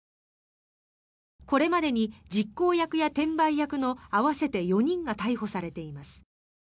これまでに実行役や転売役の合わせて４人が逮捕されています。